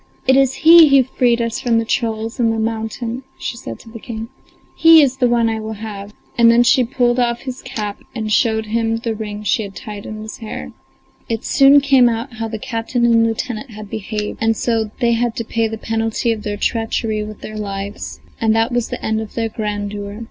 It is he who freed us from the trolls in the mountain," she said to the King. "He is the one I will have!" and then she pulled off his cap and showed them the ring she had tied in his hair. It soon came out how the captain and lieutenant had behaved, and so they had to pay the penalty of their treachery with their lives, and that was the end of their grandeur.